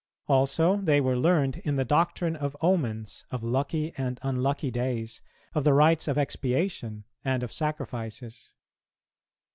Also, they were learned in the doctrine of omens, of lucky and unlucky days, of the rites of expiation and of sacrifices.